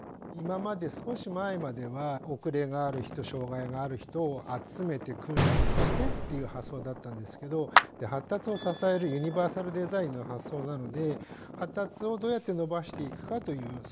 今まで少し前までは遅れがある人障害がある人を集めて訓練をしてっていう発想だったんですけど発達を支えるユニバーサルデザインの発想なので発達をどうやって伸ばしていくかという。